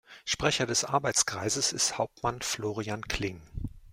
Sprecher des Arbeitskreises ist Hauptmann Florian Kling.